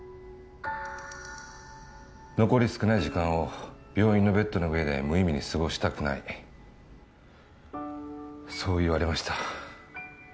残り少ない時間を病院のベッドの上で無意味に過ごしたくないそう言われました